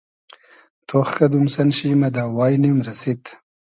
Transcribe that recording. تۉخ کئدوم سئن شی مۂ دۂ واݷنیم رئسید